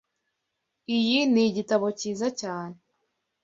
Iyi ni igitabo cyiza cyane.